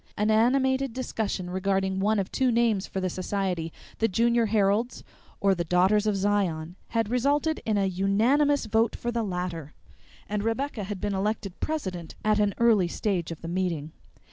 An animated discussion regarding one of two names for the society, The Junior Heralds or The Daughters of Zion, had resulted in a unanimous vote for the latter, and Rebecca had been elected president at an early stage of the meeting.